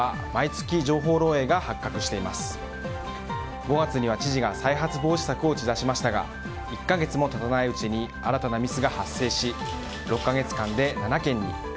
５月には知事が再発防止策を打ち出しましたが１か月も経たないうちに新たなミスが発生し６か月間で７件に。